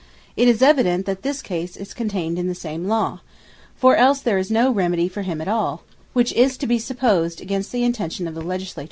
It is evident, that this case is contained in the same Law: for else there is no remedy for him at all; which is to be supposed against the Intention of the Legislator.